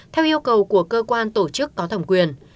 theo yêu cầu của cơ quan tổ chức có thẩm quyền